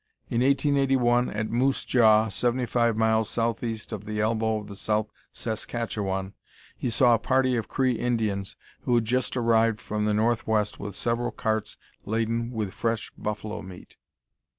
In 1881, at Moose Jaw, 75 miles southeast of The Elbow of the South Saskatchewan, he saw a party of Cree Indians, who had just arrived from the northwest with several carts laden with fresh buffalo meat.